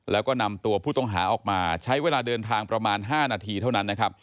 แล้วก็นำตัวผู้ต้องหาออกมาใช้เวลาเดินทางประมาณ๕นาทีเท่านั้นนะครับ